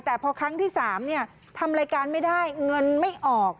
แต่พอครั้งที่๓ทำรายการไม่ได้เงินไม่ออก